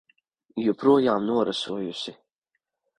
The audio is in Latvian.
Joprojām norasojusi.